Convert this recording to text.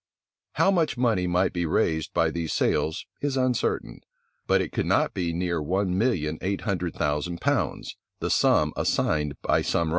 How much money might be raised by these sales is uncertain; but it could not be near one million eight hundred thousand pounds, the sum assigned by some writers.